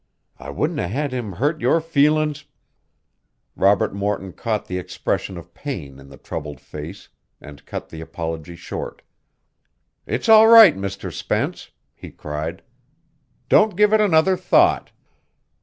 I wouldn't 'a' had him hurt your feelin's " Robert Morton caught the expression of pain in the troubled face and cut the apology short. "It's all right, Mr. Spence," he cried. "Don't give it another thought.